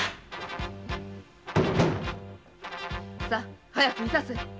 さぁ早くいたせ。